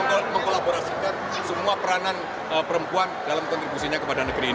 dan itu lah mengkolaborasikan semua peranan perempuan dalam kontribusinya kepada negeri ini